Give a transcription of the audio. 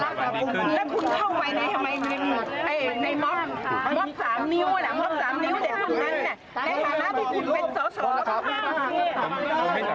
ได้ใช้นี้ตอนได้เองค่ะ